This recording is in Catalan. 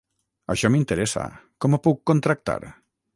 Això m'interessa, com ho puc contractar?